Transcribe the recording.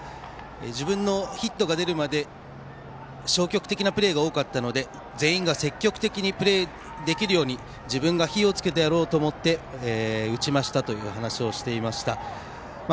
自分のヒットが出るまで消極的なプレーが多かったので全員が積極的にプレーできるように自分が火を付けてやろうと思って打ちましたという話をしていました。